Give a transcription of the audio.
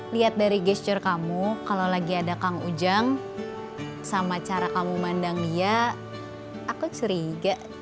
lihat dari gesture kamu kalau lagi ada kang ujang sama cara kamu mandang dia aku curiga